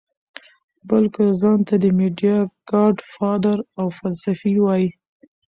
بلکه ځان ته د ميډيا ګاډ فادر او فلسفي وائي -